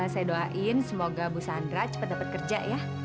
saya doain semoga bu sandra cepat dapat kerja ya